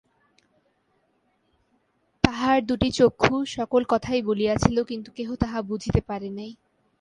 তাহার দুটি চক্ষু সকল কথাই বলিয়াছিল, কিন্তু কেহ তাহা বুঝিতে পারে নাই।